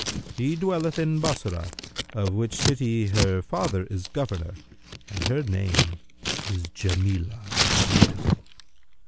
[FN#304] She dwelleth in Bassorah of which city her father is governor, and her name is Jamнlah—the beautiful.